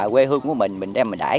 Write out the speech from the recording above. quê hương của mình mình đem mình đải